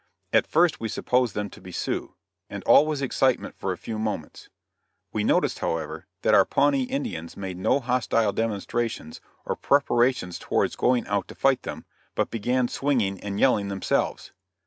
At first we supposed them to be Sioux, and all was excitement for a few moments. We noticed, however, that our Pawnee Indians made no hostile demonstrations or preparations towards going out to fight them, but began swinging and yelling themselves.